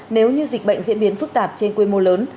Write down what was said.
nếu như dịch bệnh diễn biến phức tạp trên quy mô lớn